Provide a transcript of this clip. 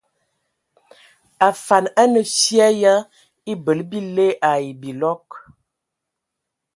Afan a nə fyƐ ya ebələ bile ai bilɔg.